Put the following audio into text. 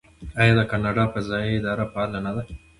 آیا د کاناډا فضایی اداره فعاله نه ده؟